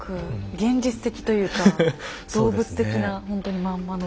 現実的というか動物的なほんとにまんまの。